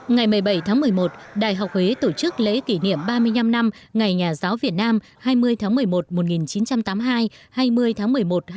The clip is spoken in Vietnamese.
ngày một mươi bảy tháng một mươi một đại học huế tổ chức lễ kỷ niệm ba mươi năm năm ngày nhà giáo việt nam hai mươi tháng một mươi một một nghìn chín trăm tám mươi hai hai mươi tháng một mươi một hai nghìn một mươi